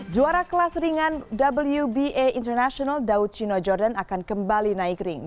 juara kelas ringan wba international dau chino jordan akan kembali naik ring